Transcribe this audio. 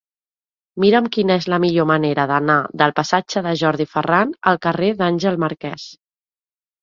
Mira'm quina és la millor manera d'anar del passatge de Jordi Ferran al carrer d'Àngel Marquès.